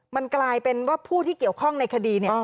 มันกลายเป็นว่าผู้ที่เกี่ยวข้องในคดีเนี่ย